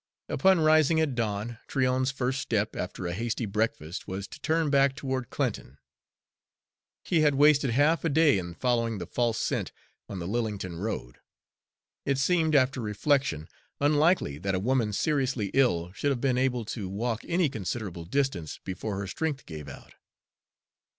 Upon rising at dawn, Tryon's first step, after a hasty breakfast, was to turn back toward Clinton. He had wasted half a day in following the false scent on the Lillington road. It seemed, after reflection, unlikely that a woman seriously ill should have been able to walk any considerable distance before her strength gave out.